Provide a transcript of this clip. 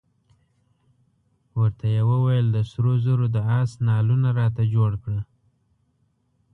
ورته یې وویل د سرو زرو د آس نعلونه راته جوړ کړه.